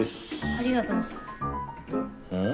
ありがとうぞ。ん？